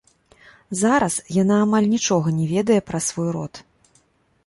Зараз яна амаль нічога не ведае пра свой род.